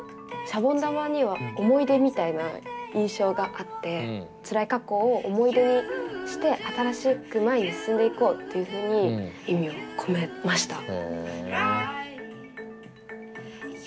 シャボン玉には思い出みたいな印象があってつらい過去を思い出にして新しく前に進んでいこうっていうふうに意味を込めました。